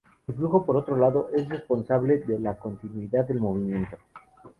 El flujo por otro lado, es responsable de la continuidad del movimiento.